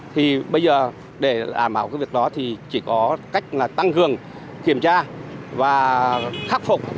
thì bây giờ để làm bảo cái việc đó thì chỉ có cách là tăng gường kiểm tra và khắc phục